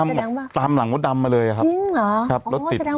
เชิญให้ตามหลังโฆ่นดำมาเลยอะครับจริงหรอครับเล้ว